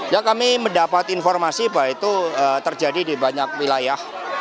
ya kami mendapat informasi bahwa itu terjadi di banyak wilayah